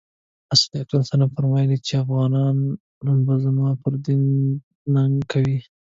رسول کریم فرمایلي وو چې افغانان به زما پر دین ننګ کوي.